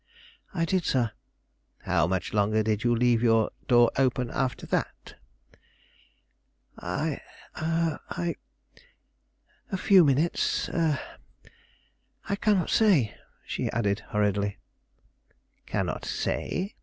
"I did, sir." "How much longer did you leave your door open after that?" "I I a few minutes a I cannot say," she added, hurriedly. "Cannot say?